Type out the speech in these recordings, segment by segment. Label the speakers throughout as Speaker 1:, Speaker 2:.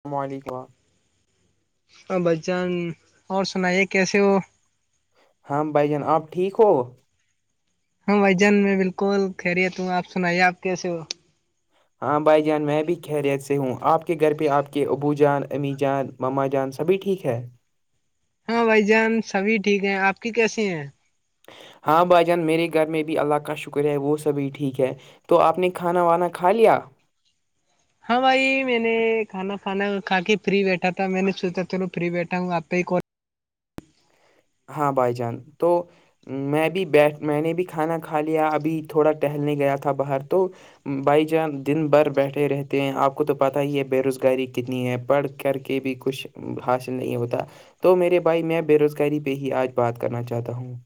Speaker 1: السلام علیکم
Speaker 2: ا بھائی جان اور سنائیے کیسے ہو
Speaker 1: ہاں بھائی جان آپ ٹھیک ہو
Speaker 2: ہاں بھ جان میں بالکل خیریت ہوں آپ سنائیے آپ کیسے ہو
Speaker 1: ہاں بھائی جان میں بھی خیریت سے ہوں آپ کے گھر پہ آپ کے ابو جان امی جان مما جان سبھی ٹھیک ہے
Speaker 2: ہاں بھائی جان سبھی ٹھیک ہیں آپ کی کیسی ہیں
Speaker 1: ہاں بھائی جان میرے گھر میں بھی اللہ کا شکر ہے وہ سبھی ٹھیک ہے تو آپ نے کھانا وانا کھا لیا
Speaker 2: ہاں بھائی میں نے کھانا پھانا کھا کے فری بیٹھا تھا میں نے سوچ تھا ن فری بیٹھا ہوں آپ پ ہی کال
Speaker 1: ہاں بائی جان تو میں بھی بیٹھ میں نے بھی کھانا کھا لیا ابھی تھوڑا ٹہلنے گیا تھا باہر تو بھائی جان دن بھر بیٹھے رہتے ہیں آپ کو تو پتا ہی ہے بے روزگاری کتنی ہے پڑھ کر کے بھی کچھ کچھ حاصل نہیں ہوتا تو میرے بھائی میں بے روزگاری پہ ہی آج بات کرنا چاہتا ہوں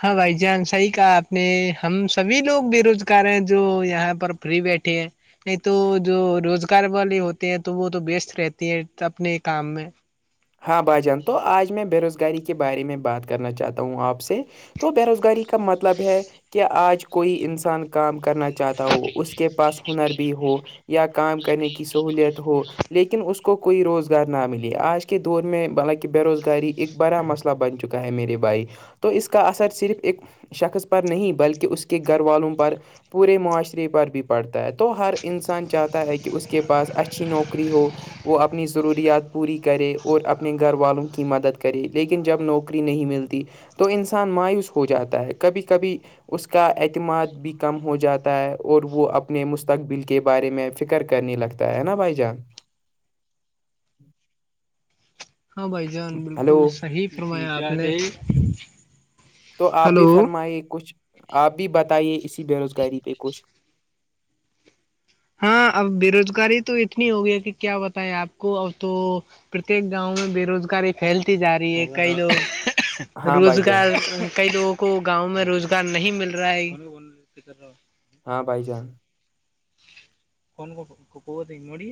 Speaker 2: ہاں بھائی جان صحیح کہا آپ نے ہم سبھی لوگ بے روزگار ہیں جو یہاں پر فری بیٹھے ہیں نہیں تو جو روزگار والے ہوتے ہیں تو وہ تو بیست رہتی ہیں اپنے کام میں
Speaker 1: ہاں بھائی جان تو آج میں بےروزگاری کے بارے میں بات کرنا چاہتا ہوں آپ سے تو بے روزگاری کا مطلب ہے کہ آج کوئی انسان کام کرنا چاہا ہو اس کے پاس ہنر بھی ہو یا کام کرنے کی سہولت ہو لیکن اس کو کوئی روزگار نہ ملیے آج کل کے دور میں بالانکہ بے روزگاری ایک بڑا مسئلہ بن چکا ہے میرے بھائی تو اس کا اثر صرف ایک شخص پر نہیں بلکہ اس کے گھر والوں پر پورے معاشرے پر بھی پڑتا ہے تو ہر انسان چاہتا ہے کہ اس کے پاس اچھی نوکری ہو وہ اپنی ضروریات پوری کرے اور اپنے گھر والوں کی مدد کرے لیکن جب نوکری نہیں ملتی تو انسان مایوس ہو جاتا ہے کبھی کبھی اس کا اعتماد بھی کم ہو جاتا ہے اور وہ اپنے مستقبل کے بارے میں فکر کرنے لگتا ہے نا بائی جان
Speaker 2: ہاں بھائی جان
Speaker 1: ہلو
Speaker 2: بالکل صحی فرمایا آپ نے ہی
Speaker 1: تو آپ بھی فرمائیے کچھ آپ بھی بتائیے اسی بے روزگاری پہ کچھ
Speaker 2: ہاں اب بےروزگاری تو اتنی ہوگئی ہے کہ کیا بتائےیں آپ کو اب تو پرتیک گاؤں میں بے روزگاری پھیلتی جا رہی ہے کئی لوگ
Speaker 1: ہاں بھائی جان
Speaker 2: روزگار کئی لوگوں کو گاؤں میں روزگار نہیں مل رہا ہے [inaudible]
Speaker 1: ہاں بھائی جان
Speaker 2: ن کوتی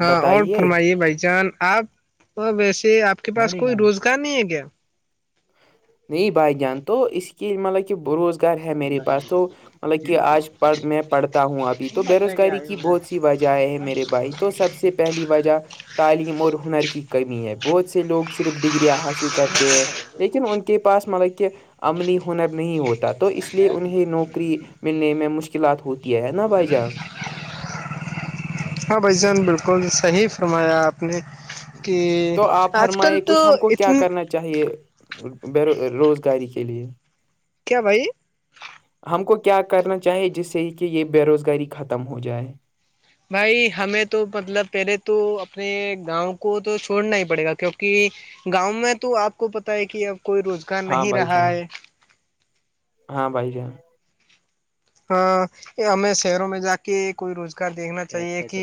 Speaker 2: ہاں اور
Speaker 1: بتائیے
Speaker 2: فرمائیے بھائی جان آپ [unintelligible] اور ویسے آپ کے پاس کوئی روزگار نہیں ہے کیا
Speaker 1: نہیں بھائی جان تو اس کی مطلب کہ بروس گار ہے میرے پاس تو مطلب کہ آج پ میں پڑھتا ہوں ابھی تو بے روزگاری کی بہت س [unintelligible] وجہ آئے ہے میرے بھائی تو سب سے پہلی وجہ تعلیم اور ہنر کی کمی ہے بہت سے لوگ صرف ڈگریاں حاصل کرتے ہیں لیکن ان کے پاس مطلب کہ عملی ہنر نہیں ہوتا تو اس لیے انہیں نوکری ملنے میں مشکلات ہوتی ہے نا بھائی جان
Speaker 2: ہاں بھائی جان بالکل صحی فرمایا آپ نے کہ آج کل تو اتنی
Speaker 1: چاہے بو روزگاری کے لیے
Speaker 2: کیا بھائی
Speaker 1: ہم کو کیا کرنا چاہیے جس سے کہ یہ بے روزگاری ختم ہو جائے
Speaker 2: بھائی ہمیں تو مطلب پہلے تو اپنے گاؤں کو تو چھوڑنا ہی پڑے گا کیونکہ گاؤں میں تو آپ کو پتا ہے کہ اب کوئی روزگار
Speaker 1: ہاں
Speaker 2: نہیں
Speaker 1: بھائی
Speaker 2: رہا
Speaker 1: جان
Speaker 2: ہے
Speaker 1: ہاں بھائی جان
Speaker 2: ہمیں شہروں میں جا کے کوئی روزگار دیکھنا چاہیے کہ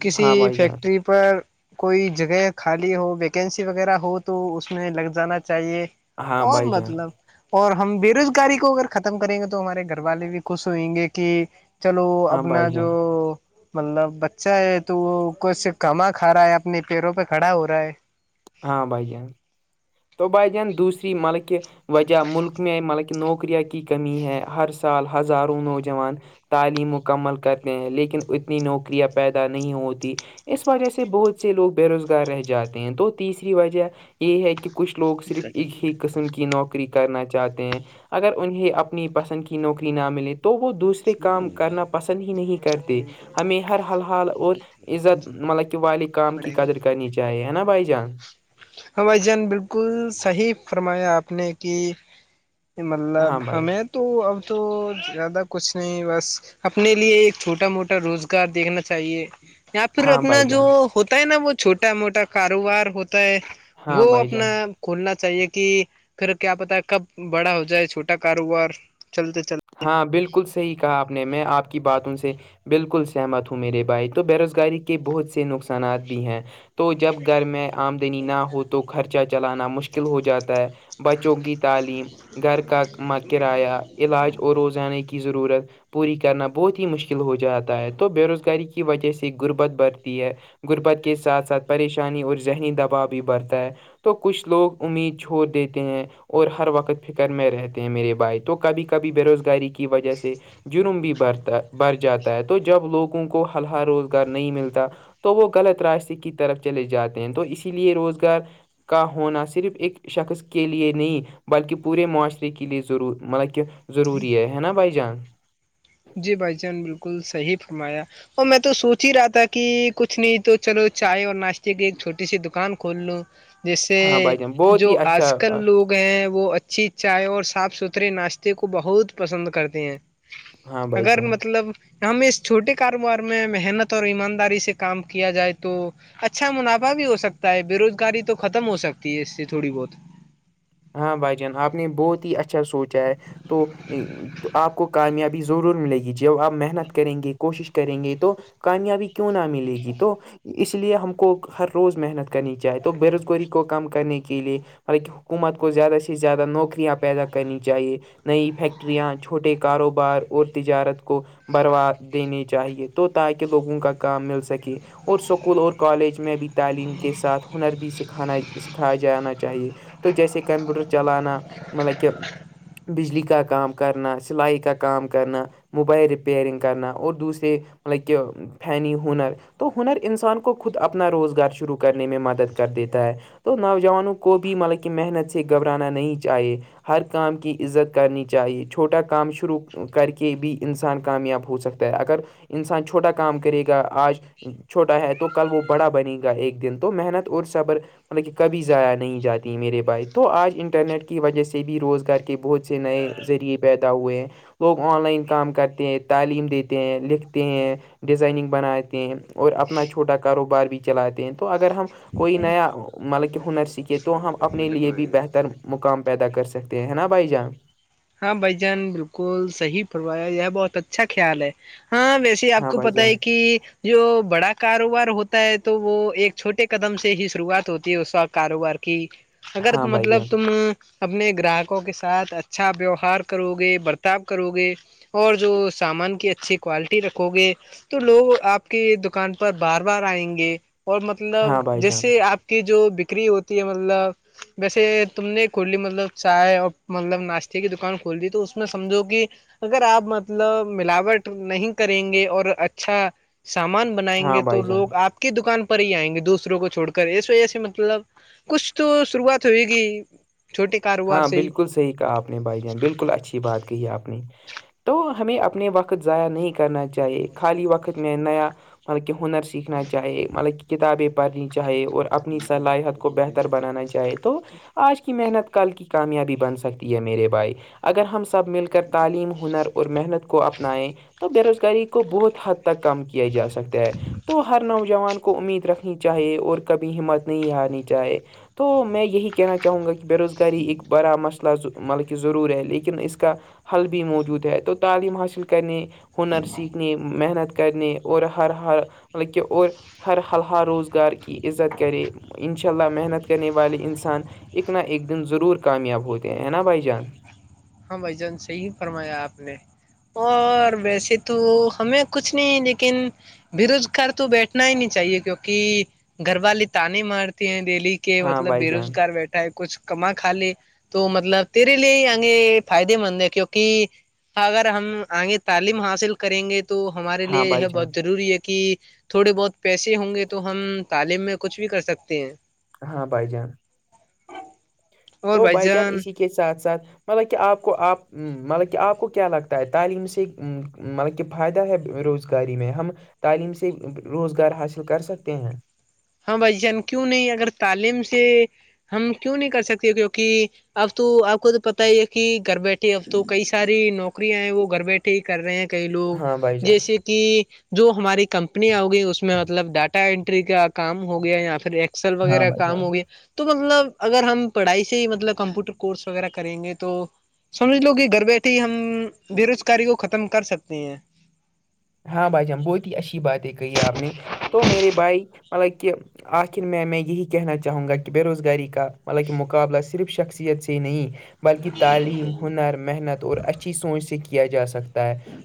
Speaker 2: کسی
Speaker 1: ہاں بھائی جان
Speaker 2: فیکٹری پر کوئی جگہ خالی ہو ویکینسی وغیرہ ہو تو اس میں لگ جانا چاہیے
Speaker 1: ہاں
Speaker 2: اور
Speaker 1: بھائی جان
Speaker 2: مطلب اور ہم بے روزگاری کو اگر ختم کریں گے تو ہمارے گھر والے بھی ک سوئیں گے کہ چلو
Speaker 1: ہاں
Speaker 2: اپنا
Speaker 1: بھائی
Speaker 2: جو
Speaker 1: جان
Speaker 2: [unintelligible] مطلب بچہ ہے تو وہ کچھ کھما کھا رہا ہے اپنے پیروں پہ کھڑا ہو رہا ہے
Speaker 1: ہاں بھائی جان تبجن دوسری ملکہ [unintelligible] وجہ ملک میں مطلب کہ نوکریاں کی کمی ہے ہر سال ہزاروں نوجوان تعلیم مکمل کرتے ہیں لیکن اتنی نوکریاں پیدا نہیں ہوتی اس وجہ سے بہت سے لوگ بے روزگار رہ جاتے ہیں تو تیسری وجہ یہ ہے کہ کچھ لوگ صرف ایک ہی قسم کے نوکری کرنا چاہتے ہیں اگر انہیں اپنی پسند کی نوکری نہ ملے تو وہ دوسرے کام کرنا پسند ہی نہیں
Speaker 2: چار
Speaker 1: کرتے
Speaker 2: منٹ
Speaker 1: ہمیں ہر حال حال اور عزت مطلب کہ والد کام کی
Speaker 2: پڑیں گے
Speaker 1: قدر کرنی چاہیے چاہے نا بائی چانس [unintelligible]
Speaker 2: ہاں بھائی جان بالکل صحیح فرمایا آپ نے کہ مطلب
Speaker 1: ہاں بھائی
Speaker 2: ہمیں تو اب تو زیادہ کچھ نہیں بس اپنے لیے ایک چھوٹا موٹا روزگار دیکھنا چاہیے یا پھر
Speaker 1: ہاں
Speaker 2: اپنا
Speaker 1: بھائی
Speaker 2: جو
Speaker 1: جان
Speaker 2: ہوتا ہے نا وہ چھوٹا موٹا کاروبار ہوتا ہے
Speaker 1: ہاں
Speaker 2: وہ
Speaker 1: بھائی
Speaker 2: اپنا
Speaker 1: جان
Speaker 2: کھولنا چاہیے کہ پھر کیا پتا ہے کب بڑا ہو جائے چھوٹا کاروبار چلتے چلتے
Speaker 1: ہاں بالکل صحیح کہا آپ نے میں آپ کی باتوں سے بالکل سہمت ہوں میرے بھائی تو بے روزگاری کے بہت سے نقصانات بھی ہیں تو جب گھر میں آمدنی نہ ہو تو خرچہ چلانا مشکل ہو جاتا ہے بچوں کی تعلیم گھر کا کرایہ علاج اور روزانے کی ضرورت پوری کرنا بہت ہی مشکل ہو جاتا ہے تو بے روزگاری کی وجہ سے غربت بڑھتی ہے غربت کے ساتھ ساتھ پریشانی اور ذہنی دباؤ بھی بڑھتا ہے تو کچھ لوگ امید چھوڑ دیتے ہیں اور ہر وقت فکر میں رہتے ہیں میرے بھائی تو کبھی کبھی بے روزگاری کی وجہ سے جرم بھی برتا بر جاتا ہے تو جب لوگوں کو ہلا روزگار نہیں ملتا تو وہ غلط راستے کی طرف چلے جاتے ہیں تو اسی لیے روزگار کا ہونا صرف ایک شخص کے لیے نہیں بلکہ پورے معاشرے کے لیے ضرور مطلب کہ ضروری ہے نا بھائی جان
Speaker 2: جی بھائی جان بالکل صحیح فرمایا اور میں تو سوچ ہی رہا تھا کہ کچھ نہیں تو چلو چائے اور ناشتے کی ایک چھوٹی سی دکان کھول لوں جیسے
Speaker 1: ہاں بھائی جان بہت
Speaker 2: جو
Speaker 1: ہی
Speaker 2: آج
Speaker 1: اچھا
Speaker 2: کل لوگ گئے ہیں وہ اچھی چائے اور صاف ستھرے ناشتے کو بہت پسند کرتے ہیں
Speaker 1: ہاں بھائی
Speaker 2: اگر
Speaker 1: جان
Speaker 2: مطلب ہمیں اس چھوٹے کاروبار میں محنت اور ایمانداری سے کام کیا جائے تو اچھا منافع بھی ہو سکتا ہے بے روزگاری تو ختم ہو سکتی ہے اس سے تھوڑی بہت
Speaker 1: ہاں بھائی جان آپ نے بہت ہی اچھا سوچا ہے تو آپ کو کامیابی ضرور ملے گی جب آپ محنت کریں گے کوشش کریں گے تو کامیابی کیوں نہ ملے گی تو اس لیے ہم کو ہر روز محنت کر کرنی چاہے تو بے روزگاری کو کم کرنے کے لیے مطلب کہ حکومت کو زیادہ سے زیادہ نوکریاں پیدا کرنی چاہیے نئی فیکٹریاں چھوٹے کاروبار اور تجارت کو بروا دینے چاہیے تو تاکہ لوگوں کا کام مل سکے اور اسکول اور کالج میں بھی تعلیم کے ساتھ ہنر بھی سکھانا سکھایا جانا چاہیے تو جیسے کمپیوٹر چلانا مطلب کہ بجلی کا کام کرنا سلائی کا کام کرنا موبائل رپیرنگ کرنا اور دوسرے مطلب کہ فین ہنر تو ہنر انسان کو خود اپنا روزگار شروع کرنے میں مدد کر دیتا ہے تو نوجوانوں کو بھی مطلب کہ محنت سے گھبرانا نہیں چاہیے ہر کام کی عزت کرنی چاہیے چھوٹا کام شروع کر کے بھی انسان کامیاب ہو سکتا ہے اگر انسان چھوٹا کام کرے گا آج چھوٹا ہے تو کل وہ بڑا بنے گا ایک دن تو محنت اور صبر مط کہ کبھی جایا نہیں جاتا تیں میرے بھائی تو آج انٹرنیٹ کی وجہ سے بھی روزگار کے بہت سے نئے ذریعے پیدا ہوئے ہیں لوگ آن لائن کام کرتے ہیں تعلیم دیتے ہیں لکھتے ہیں ڈیزائننگ بناتے ہیں اور اپنا چھوٹا کاروبار بھی چلاتے ہیں تو اگر ہم کوئی نیا مطلب کہ ہنر س تو ہم اپنے لیے بھی بہتر مقام پیدا کر سکتے ہیں ہے نا بھائی جان
Speaker 2: ہاں بھ جان بالکل صحیح فروایا یہ بہت اچھا خیال ہے ہاں ویسے آپ
Speaker 1: ہاں
Speaker 2: کو
Speaker 1: بھائی
Speaker 2: پت ہے
Speaker 1: جان
Speaker 2: کہ جو بڑا کاروبار ہوتا ہے تو وہ ایک چھوٹے قدم سے ہی شروعات ہوتی ہے اس وق کاروبار کہ اگر
Speaker 1: ہاں بھائی
Speaker 2: مطلب
Speaker 1: جان
Speaker 2: تم اپنے گراہکوں کے ساتھ اچ اچھا ویوہار کرو گے برتاؤ کرو گے اور جو سامان کی اچھی کوالٹی رکھو گے تو لوگ آپ کے دکان پر بار بار آئیں گے اور مطلب
Speaker 1: ہاں بھائی جان
Speaker 2: جیسے آپ کی جو بکری ہوتی ہے مطلب ویسے تم نے کلی مطلب چائے اور مطلب ناشتے ھ کہ دکان کھول دی تو اس میں سمجھو کہ اگر آپ مطلب ملاوٹ نہیں کریں گے اور اچھا سامان بنائیں
Speaker 1: ہاں
Speaker 2: گے تو
Speaker 1: بھائی جان
Speaker 2: لوگ آپ کی دکان پر ہی آئیں گے دوسروں کو چھوڑ کر اس وجہ سے مطلب کچھ تو شروعات ہوئے گی چھوٹے کاروبار
Speaker 1: ہاں
Speaker 2: سے
Speaker 1: بالکل ہی کہا آپ نے بھائی جان بالکل اچھی بات کہی آپ نے تو ہمیں اپنے وقت ضائع نہیں کر کرنا چاہیے خالی وقت میں نیا مطلب کہ ہنر سیکھنا چاہے مطلب کہ کتابیں پنی چاہے اور اپنی صلاحیت کو بہتر بنانا چاہے تو آج کی محنت کل کی کامیابی بن سکتی ہے میرے بھائی اگر ہم سب مل کر تعلیم ہنر اور محنت کو اپنائیں تو بے روزگاری کو بہت حد تک کم کیا جا سکتا ہے تو ہر نوجوان کو کو امید رکھنی چاہے اور کبھی ہمت نہیں ہارنی چاہے تو میں یہی کہنا چاہوں گا کہ بے روزگاری ایک بڑا مسئلہ مطلب کہ ضرور ہے لیکن اس کا حل بھی موجود ہے تو تعلیم حاصل کرنے ہنر سیکھنے محنت کرنے اور ہر ہر مطلب کہ اور ہر حال حال روز گار کی عزت کرے ان شاء اللہ محنت کرنے والے انسان اک نہ اک دن ضرور کامیاب ہوتے ہیں نا بھائی جان
Speaker 2: ہاں بھ جان سے ہی فرمایا آپ نے اور ویسے تو ہمیں کچھ نہیں لیکن بے روزگار تو بیٹھنا ہی نہیں چاہیے کیوںکہ گھر والے تانے مارتے ہیں ڈیلی کہ
Speaker 1: ہاں
Speaker 2: مطلب
Speaker 1: بھائی
Speaker 2: بے
Speaker 1: جان
Speaker 2: روزگار بیٹھا ہے کچھ کم کا لے تو مطلب تیرے لے آگے فائدے مند ہے کیونکہ اگر ہم آگے تعلیم حاصل کریں گے تو ہمارے
Speaker 1: ہاں
Speaker 2: لیے یہ
Speaker 1: بھائی
Speaker 2: ہے بہت
Speaker 1: جان
Speaker 2: ضروری ہے کہ تھوڑے بہت پیسے ہوں گے تو ہم تعلیم میں کچھ بھی کر سکتے ہیں
Speaker 1: ہاں بھائی جان تو بھائی جان اسی کے ساتھ ساتھ مطلب کہ آپ کو آپ مطلب کہ آپ کو کیا لگتا ہے تعلیم سے مطلب کہ فائدہ ہے روز روزگاری میں ہم تعلیم سے روزگار حاصل کر سکتے ہیں
Speaker 2: ہاں بھائی جان کیوں نہیں اگر تعلیم سے ہم کیوں نہیں کر سکتے کیونکہ اب تو آپ کو تو پتا ہی ہے کہ گھر بیٹھے اب تو کئی ساری نوکریاں ہیں وہ گھر بیٹھے ٹھیک کر رہے ہیں کئی لوگ
Speaker 1: ہاں بھائی جان
Speaker 2: جیسے کہ جو ہماری کمپنییاں ہو گئی اس میں مطلب ڈاٹا انینٹری کا کام ہو گیا یا پھر نسل
Speaker 1: ہاں
Speaker 2: وغیرہ
Speaker 1: بھائی جان
Speaker 2: کام ہو گیا تو مطلب اگر ہم پڑھائی سے ہی مطلب کمپیوٹر کورس وغیرہ کریں گے تو سمجھ لو کہ گھر بیٹھے ہی ہم بے روزگاری کو ختم کر سکتے ہیں
Speaker 1: ہاں بھائی جان بہت ہی اچھی باتیں کہی آپ نے تو میرے بھائی مطلب کہ آخر میں میں یہی کہنا چاہوں گا کہ بے روزگاری کا مطلب کہ مقابلہ صرف شخصیت سے ہی نہیں بلکہ تعلیم ہنر محنت اور اچھی سوچ سے کیا جا سکتا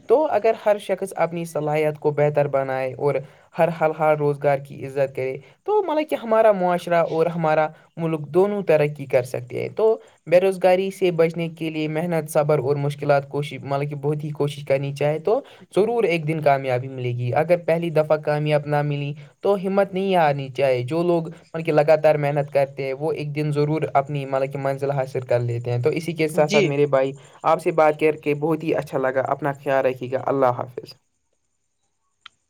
Speaker 1: تو اگر ہر شخص اپنی صلاحیت کو بہتر بنائے اور ہر حال حال روزگار کی عزت کرے تو مطلب کہ ہمارا معاشرہ اور ہمارا ملک دونوں ترقی کر سکتے ہیں تو بے روزگاری سے بچنے کے لیئے محنت صبر اور مشکلات کوش مک بہت ہی کوشش کرنی چاہے تو ضرور ایک دن کامیابی ملے گی اگر پہلی دفعہ کامیاب نہ ملی تو ہمت نہیں آنی چاہیے جو لوگ مطل کہ لگاتار محنت کرتے ہیں وہ ایک دن ضرور اپنی مطلب کی منزل حاصل کر لیتے ہیں تو اسی ساتھ ساتھ
Speaker 2: جی
Speaker 1: میرے بھائی آپ سے بات کر کے بہت ہی اچھا لگا اپنا خیال رکھیے گا اللہ حا حافظ